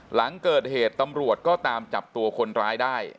หลังเกิดเหตุตำรวจก็ตามจับตัวคนร้ายได้